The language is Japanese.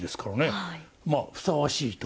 まあふさわしいと。